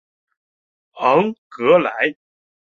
昂格莱。